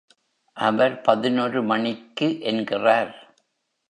அவர் பதினொரு மணிக்கு என்கிறார்.